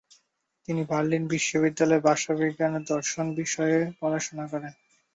তিনি বার্লিন বিশ্ববিদ্যালয়ে ভাষাবিজ্ঞান ও দর্শন বিষয়ে পড়াশুনা করেন।